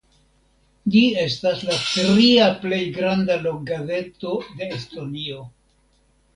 Ĝi estas la tria plej granda lokgazeto de Estonio.